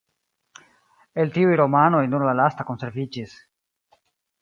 El tiuj romanoj nur la lasta konserviĝis.